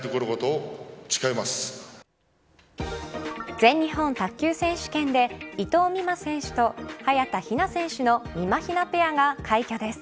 全日本卓球選手権で伊藤美誠選手と早田ひな選手のみまひなペアが快挙です。